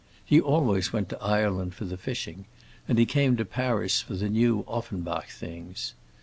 He always went to Ireland for the fishing, and he came to Paris for the new Offenbach things.